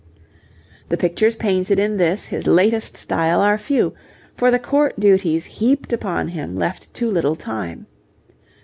The pictures painted in this his latest style are few, for the court duties heaped upon him left too little time.